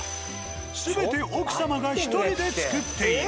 全て奥様が１人で作っている。